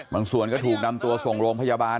ส่วนก็ถูกนำตัวส่งโรงพยาบาล